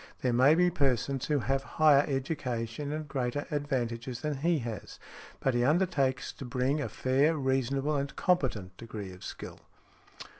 There may be persons who have higher education and greater advantages than he has, but he undertakes to bring a fair, reasonable and competent degree of skill."